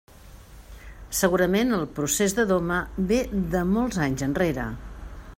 Segurament el procés de doma ve de molts anys enrere.